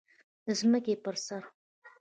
د ځمکې پر سر